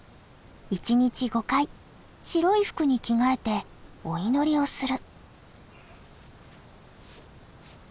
１日５回白い服に着替えてお祈りをする。